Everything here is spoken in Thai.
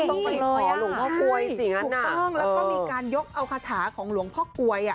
อ๋อหลวงพ่อปวยสินะน่ะถูกต้องแล้วก็มีการยกเอาคาถาของหลวงพ่อปวยอ่ะ